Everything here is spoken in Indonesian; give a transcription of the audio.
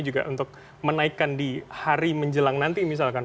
juga untuk menaikkan di hari menjelang nanti misalkan